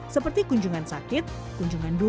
seperti kunjungan sakit kunjungan